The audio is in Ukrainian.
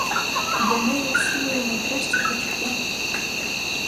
Для неї всі мої найкращі почуття.